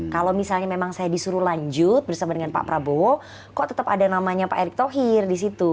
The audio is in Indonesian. kalau misalnya memang saya disuruh lanjut bersama dengan pak prabowo kok tetap ada namanya pak erick thohir di situ